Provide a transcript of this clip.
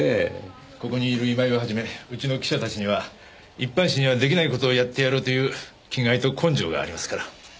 ここにいる今井をはじめうちの記者たちには一般紙には出来ない事をやってやろうという気概と根性がありますから。